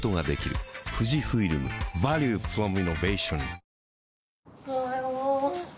おはよう。